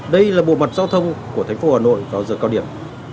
đây là bộ mặt giao thông của thành phố hà nội vào giờ cao điểm